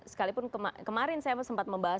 sekalipun kemarin saya sempat membahas